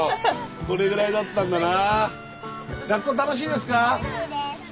これぐらいだったんだな。